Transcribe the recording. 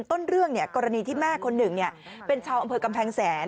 ต้นเรื่องกรณีที่แม่คนหนึ่งเป็นชาวอำเภอกำแพงแสน